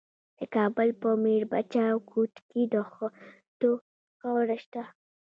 د کابل په میربچه کوټ کې د خښتو خاوره شته.